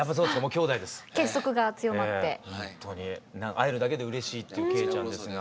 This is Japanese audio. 会えるだけでうれしいっていう惠ちゃんですが。